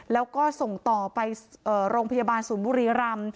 แล้วก็ส่งต่อไปโรงพยาบาลศูนย์บุรีรำ